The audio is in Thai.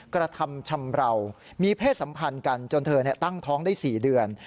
กระทำชำราวมีเพศสัมพันธ์กันจนเธอตั้งท้องได้๔เดือน